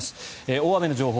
大雨の情報